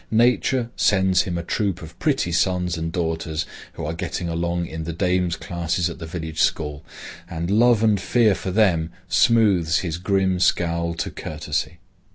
—Nature sends him a troop of pretty sons and daughters who are getting along in the dame's classes at the village school, and love and fear for them smooths his grim scowl to courtesy.